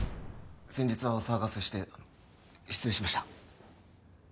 先日はお騒がせして失礼しました。